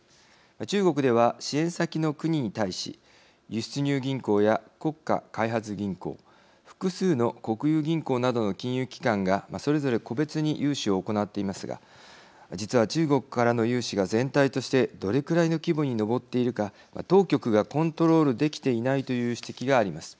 中国では、支援先の国に対し輸出入銀行や国家開発銀行複数の国有銀行などの金融機関がそれぞれ個別に融資を行っていますが実は中国からの融資が全体としてどれくらいの規模に上っているか当局がコントロールできていないという指摘があります。